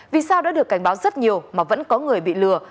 vì sao đã được cảnh báo rất nhiều mà vẫn có người bị lừa